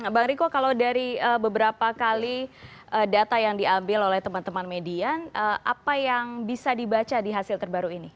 bang riko kalau dari beberapa kali data yang diambil oleh teman teman median apa yang bisa dibaca di hasil terbaru ini